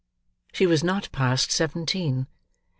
She was not past seventeen.